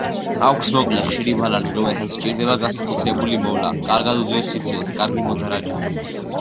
აქვს მოკლე, ხშირი ბალანი, რომელსაც სჭირდება განსაკუთრებული მოვლა, კარგად უძლებს სიცივეს, კარგი მოდარაჯეა.